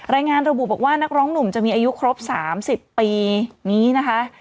รายงานระบุบอกว่านักร้องหนุ่มจะมีอายุครบ๓๐ปีนี้นะคะ